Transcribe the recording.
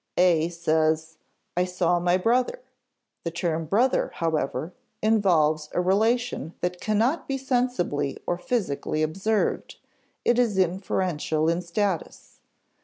A says: "I saw my brother." The term brother, however, involves a relation that cannot be sensibly or physically observed; it is inferential in status.